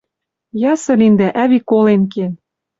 Ясы лин дӓ ӓви колен кен.